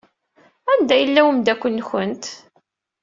Anda yella umeddakel-nwent?